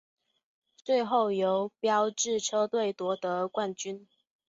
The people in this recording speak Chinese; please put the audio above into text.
最后由标致车队夺得冠军。